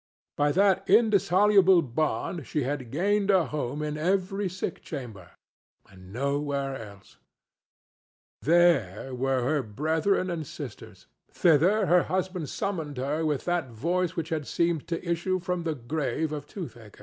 By that indissoluble bond she had gained a home in every sick chamber, and nowhere else; there were her brethren and sisters; thither her husband summoned her with that voice which had seemed to issue from the grave of Toothaker.